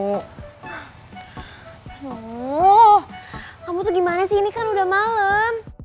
hmm kamu tuh gimana sih ini kan udah malem